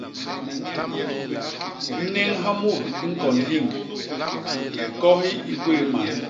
Néñha mut i ñkon hiñg, kohi i gwéé man.